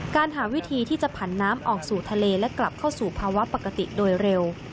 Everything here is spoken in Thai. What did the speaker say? การหาวิธีที่จะผันน้ำออกสู่ทะเลและกลับเข้าสู่ภาวะปกติโดยเร็ว